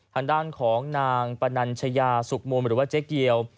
ทางด้านของนางปนัญชยาสุขมูลหรือว่าเจ๊เกียว